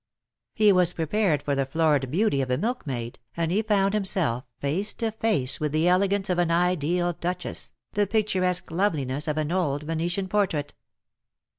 He was prepared for 6he florid beauty of a milkmaid, and he found himself face to face with the elegance of an ideal duchess, the picturesque loveliness of an old Venetian portrait.